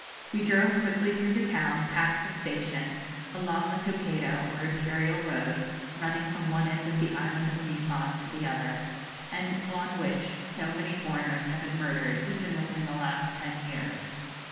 We drove quickly through the town, past the station, along the Tokaido, or imperial road, running from one end of the Island of Niphon to the other, and on which so many foreigners have been murdered even within the last ten years.